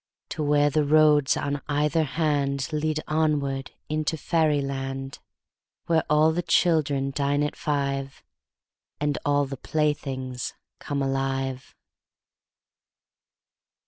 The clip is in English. To where the roads on either handLead onward into fairy land, Where all the children dine at five, And all the playthings come alive.